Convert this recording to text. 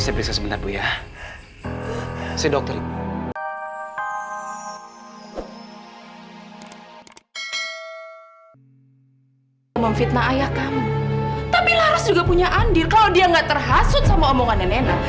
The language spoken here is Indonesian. sampai jumpa di video selanjutnya